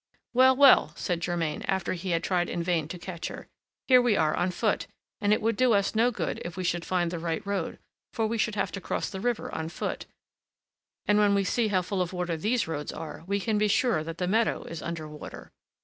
"Well, well," said Germain, after he had tried in vain to catch her, "here we are on foot, and it would do us no good if we should find the right road, for we should have to cross the river on foot; and when we see how full of water these roads are, we can be sure that the meadow is under water.